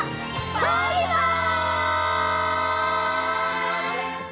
バイバイ！